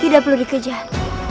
tidak perlu dikejar